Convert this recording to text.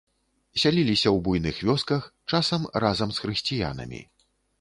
Сяліліся ў буйных вёсках, часам разам з хрысціянамі.